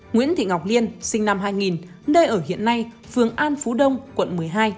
nguyễn thị ngọc liên sinh năm hai nghìn nơi ở hiện nay phường an phú đông quận một mươi hai